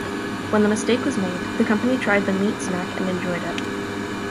When the mistake was made, the company tried the meat snack and enjoyed it.